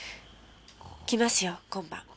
来ますよ今晩。